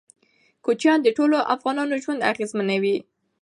کوچیان د ټولو افغانانو ژوند اغېزمن کوي.